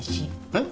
えっ？